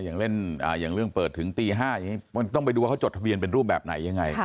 อย่างเรื่องเปิดถึงตี๕ต้องไปดูว่าเขาจดทะเบียนเป็นรูปแบบไหนยังไง